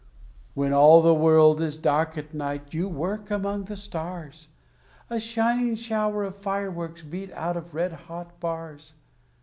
When all the world is dark at night, you work among the stars, A shining shower of fireworks beat out of red hot bars.